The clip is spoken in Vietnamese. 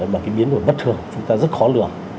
mà cái biến đổi bất thường chúng ta rất khó lựa